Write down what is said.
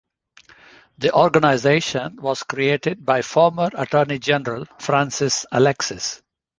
The organization was created by former Attorney General Francis Alexis.